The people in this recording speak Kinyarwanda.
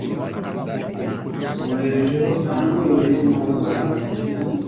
mwoherejeho amaturo y'impongano